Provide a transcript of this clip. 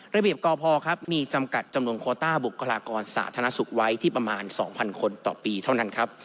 ระเบียบกพครับมีจำกัดจำนวนโคต้าบุคลากรสาธารณสุขไว้ที่ประมาณ๒๐๐คนต่อปีเท่านั้นครับ